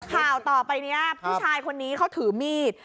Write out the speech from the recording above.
ข่าวต่อไปนี้ผู้ชายคนนี้เขาถือมีด